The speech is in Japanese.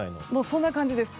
そんな感じです。